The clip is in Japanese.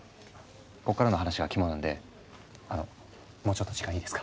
ここからの話がキモなんであのもうちょっと時間いいですか？